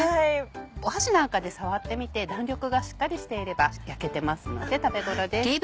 箸なんかで触ってみて弾力がしっかりしていれば焼けてますので食べ頃です。